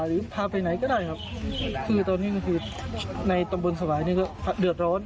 หรือพาไปไหนก็ได้ครับคือตอนนี้ก็คือในตำบลสวายนี่ก็เดือดร้อน